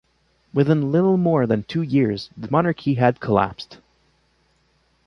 Within little more than two years the monarchy had collapsed.